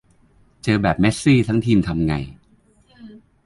เจอแบบเมสซีทั้งทีมทำไง